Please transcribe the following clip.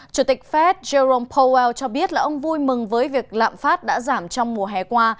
chủ tịch fed jerome powell cho biết là ông vui mừng với việc lạm phát đã giảm trong mùa hè qua